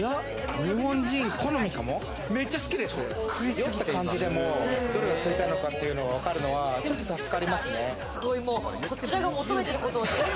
食いすぎた感じでも、どれが食いたいかというのはわかるのはちょっと助かりますね。